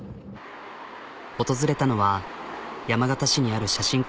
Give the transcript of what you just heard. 訪れたのは山形市にある写真館。